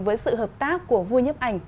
với sự hợp tác của vua nhiếp ảnh